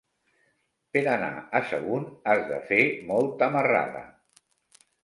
Per anar a Sagunt has de fer molta marrada.